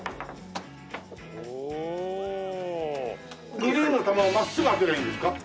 グリーンの球を真っすぐ当てりゃいいんですか？